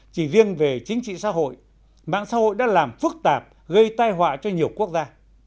chỉ riêng về chính trị xã hội mạng xã hội đã làm phức tạp gây tai họa cho nhiều quốc gia